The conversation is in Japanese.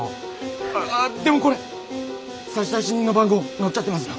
あでもこれ差出人の番号載っちゃってますよ！